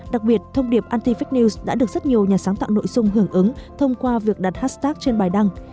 đặc biệt thông điệp antific news đã được rất nhiều nhà sáng tạo nội dung hưởng ứng thông qua việc đặt hashtag trên bài đăng